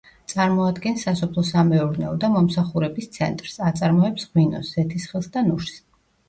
წარმოადგენს სასოფლო-სამეურნეო და მომსახურების ცენტრს, აწარმოებს ღვინოს, ზეთისხილს და ნუშს.